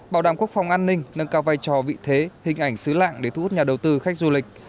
bảo đảm quốc phòng an ninh nâng cao vai trò vị thế hình ảnh xứ lạng để thu hút nhà đầu tư khách du lịch